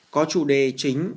có chủ đề chính